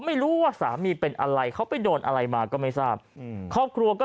ไม่รู้ว่าสามีเป็นอะไรเขาไปโดนอะไรมาก็ไม่ทราบอืมครอบครัวก็